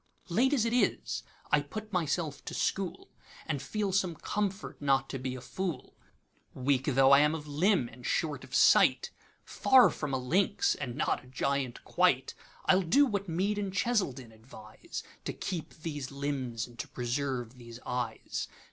Late as it is, I put myself to school, And feel some comfort not to be a fool. Weak tho' I am of limb, and short of sight, Far from a lynx, and not a giant quite,I 'll do what Mead and Cheselden advise, To keep these limbs, and to preserve these eyes.